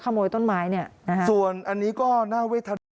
ขโมยต้นไม้เนี่ยส่วนอันนี้ก็น่าวิทยาลัย